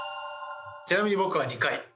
ちなみに僕は２回。